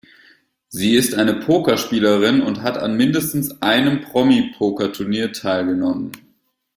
Sie ist eine Pokerspielerin und hat an mindestens einem Promi-Pokerturnier teilgenommen.